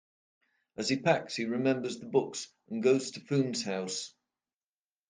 As he packs, he remembers the books and goes to Funes's house.